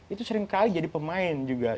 itu seringkali jadi pemain juga